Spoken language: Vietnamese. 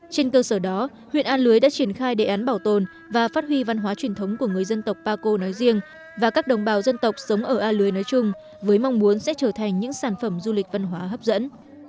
trên cơ sở đó huyện a lưới đã triển khai đề án bảo tồn và phát huy văn hóa truyền thống của người dân tộc paco nói riêng và các đồng bào dân tộc sống ở a lưới nói chung với mong muốn sẽ trở thành những sản phẩm du lịch văn hóa hấp dẫn